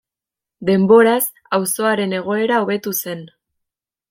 Denboraz auzoaren egoera hobetu zen.